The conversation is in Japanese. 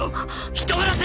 人殺し！